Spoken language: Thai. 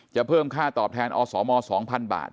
เพิ่มค่าตอบแทนอสม๒๐๐๐บาท